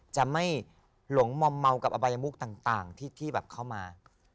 จะไม่หลงมอมเมากับอบัยมุกต่างที่แบบเข้ามา